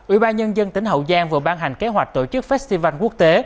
ủy ban nhân dân tỉnh hậu giang vừa ban hành kế hoạch tổ chức festival quốc tế